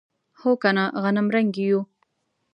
هو کنه غنمرنګي یو.